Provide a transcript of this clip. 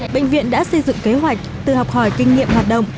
bệnh viện đã xây dựng kế hoạch từ học hỏi kinh nghiệm hoạt động